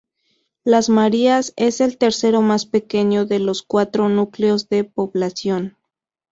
Las Marías es el tercero más pequeño de los cuatro núcleos de población.